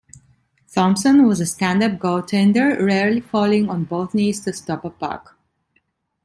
Thompson was a stand-up goaltender, rarely falling on both knees to stop a puck.